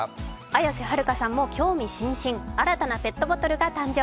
綾瀬はるかさんも興味津々、新たなペットボトルが誕生。